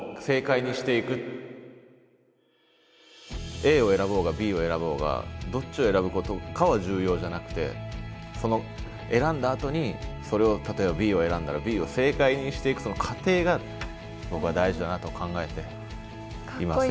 Ａを選ぼうがＢを選ぼうがどっちを選ぶことかは重要じゃなくてその選んだあとにそれを例えばＢを選んだらＢを正解にしていくその過程が僕は大事だなと考えていますよ。